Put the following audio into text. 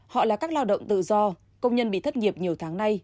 họ là các lao động tự do công nhân bị thất nghiệp nhiều tháng nay